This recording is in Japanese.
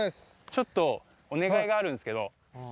ちょっとお願いがあるんすけ